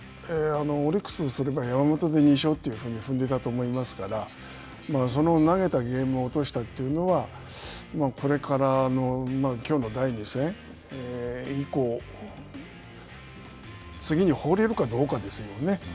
オリックスとすれば、山本で２勝というふうに踏んでいたと思いますからその投げたゲームを落としたというのは、これからのきょうの第２戦以降、次に放れるかどうかですよね。